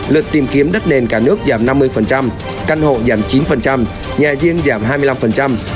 lượt tìm kiếm đất nền cả nước giảm năm mươi căn hộ giảm chín nhà riêng giảm hai mươi năm